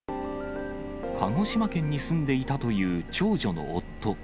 鹿児島県に住んでいたという長女の夫。